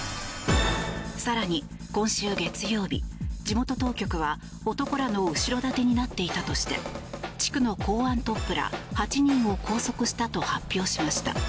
更に今週月曜日、地元当局は男らの後ろ盾になっていたとして地区の公安トップら８人を拘束したと発表しました。